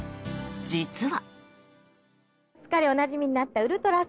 実は。